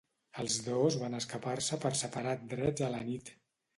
Els dos van escapar-se per separat drets a la nit.